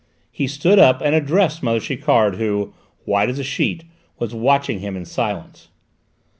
He stood up and addressed mother Chiquard who, white as a sheet, was watching him in silence.